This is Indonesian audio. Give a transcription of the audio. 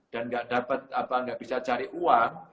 dan enggak dapat apa enggak bisa cari uang